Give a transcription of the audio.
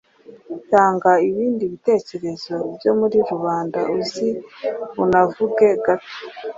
Tanga ibindi bitekerezo byo muri rubanda uzi unavuge gato